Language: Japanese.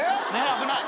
危ない。